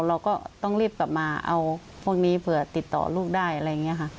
เราก็ต้องรีบกลับมาเอาพวกนี้เผื่อติดต่อลูกได้อะไรอย่างนี้ค่ะ